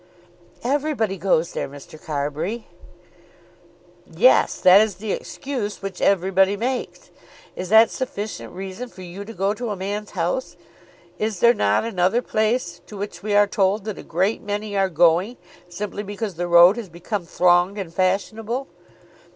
"Everybody goes there, Mr. Carbury." "Yes, that is the excuse which everybody makes. Is that sufficient reason for you to go to a man's house? Is there not another place to which we are told that a great many are going, simply because the road has become thronged and fashionable?